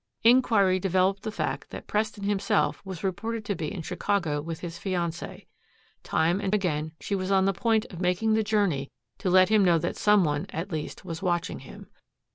Inquiry developed the fact that Preston himself was reported to be in Chicago with his fiancee. Time and again she was on the point of making the journey to let him know that some one at least was watching him.